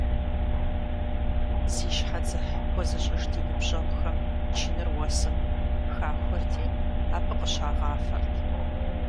Зи щхьэ дзыхь хуэзыщӏыж ди ныбжьэгъухэм чыныр уэсым хахуэрти, абы къыщагъафэрт.